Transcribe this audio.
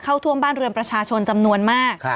เข้าท่วมบ้านเรือนประชาชนจำนวนมาก